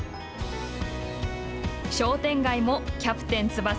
商店街も「キャプテン翼」